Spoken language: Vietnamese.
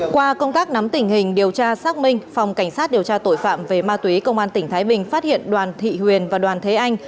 qua công tác nắm tình hình điều tra xác minh phòng cảnh sát điều tra tội phạm về ma túy công an tỉnh thái bình phát hiện đoàn thị huyền và đoàn thế anh